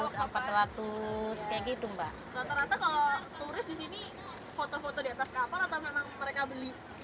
rata rata kalau turis di sini foto foto di atas kapal atau memang mereka beli